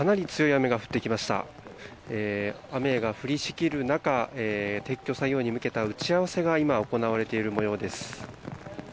雨が降りしきる中撤去作業に向けた打ち合わせが今、行われている模様です。